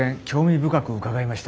深く伺いました。